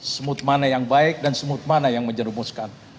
semut mana yang baik dan semut mana yang menjerumuskan